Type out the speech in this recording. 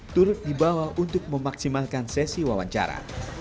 turut dibawa untuk memaksimalkan sesi wawancara